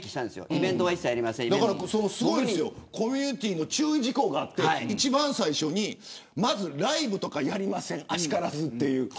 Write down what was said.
イベントは一切やりませんってコミュニティーの注意事項があって一番最初にまずライブとかやりませんあしからずという。